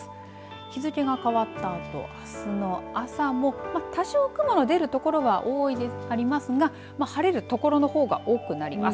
日付が変わったあとあすの朝も多少雲の出る所はありますが晴れる所のほうが多くなります。